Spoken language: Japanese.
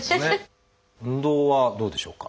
運動はどうでしょうか？